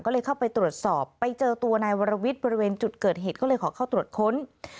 ก็เลยเข้าไปตรวจสอบไปเจอตัวนายวรวิทย์บริเวณจุดเกิดเหตุก็เลยขอเข้าตรวจค้น